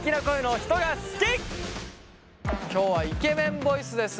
今日はイケメンボイスです。